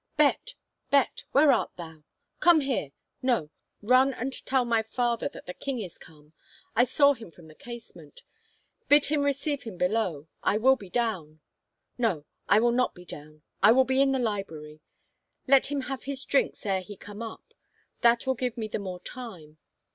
" Bet — Bet — where art thou ? Come here, — no, run and tell my father that the king is come — I saw him from the casement. Bid him re ceive him below — I will be down. No, I will not be down — I will be in the library. Let him have his drinks ere he come up ... that will give me the more time.